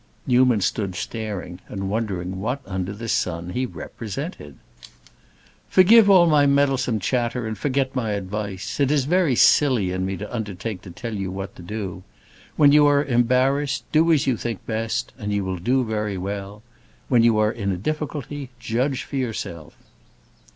Newman stood staring and wondering what under the sun he "represented." "Forgive all my meddlesome chatter and forget my advice. It is very silly in me to undertake to tell you what to do. When you are embarrassed, do as you think best, and you will do very well. When you are in a difficulty, judge for yourself."